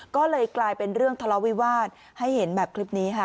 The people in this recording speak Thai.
ก็เลยกลายเป็นเรื่องทะเลาวิวาสให้เห็นแบบคลิปนี้ค่ะ